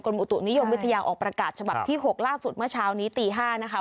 อุตุนิยมวิทยาออกประกาศฉบับที่๖ล่าสุดเมื่อเช้านี้ตี๕นะคะ